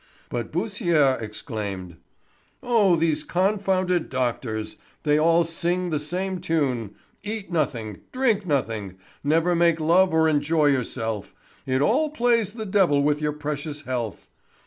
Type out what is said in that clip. But Beausire exclaimed: "Oh, these confounded doctors! They all sing the same tune—eat nothing, drink nothing, never make love or enjoy yourself; it all plays the devil with your precious health.